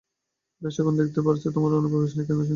বেশ, এখন দেখতে পারছি তোমরা অনুপ্রবেশ নিয়ে কেন চিন্তিত।